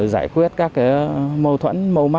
giải quyết các mâu thuẫn mâu mơ